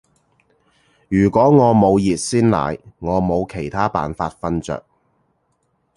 如果我冇熱鮮奶，我冇其他辦法瞓着